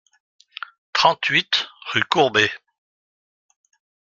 trente-huit rue Courbée